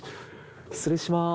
失礼します。